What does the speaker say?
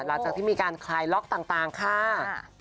หลังจากที่มีการคลายล็อกต่างค่ะ